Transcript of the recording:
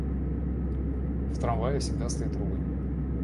В трамвае всегда стоит ругань.